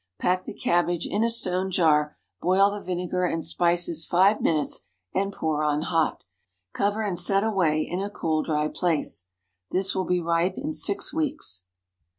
Pack the cabbage in a stone jar; boil the vinegar and spices five minutes and pour on hot. Cover and set away in a cool, dry place. This will be ripe in six weeks.